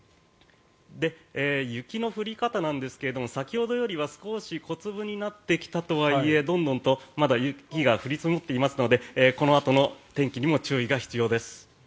雪の降り方なんですが先ほどよりは少し小粒になってきたとはいえどんどんとまだ雪が降り積もっていますのでこのあとの天気にも注意が必要です。